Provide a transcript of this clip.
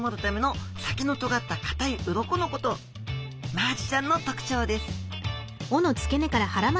マアジちゃんの特徴です